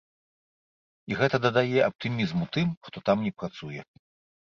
І гэта дадае аптымізму тым, хто там не працуе.